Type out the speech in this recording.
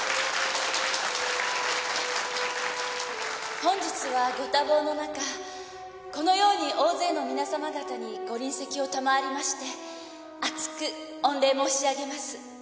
本日はご多忙の中このように大勢の皆様方にご臨席を賜りまして厚く御礼申し上げます。